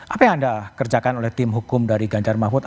apa yang anda kerjakan oleh tim hukum dari ganjar mahfud